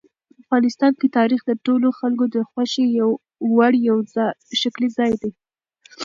افغانستان کې تاریخ د ټولو خلکو د خوښې وړ یو ښکلی ځای دی.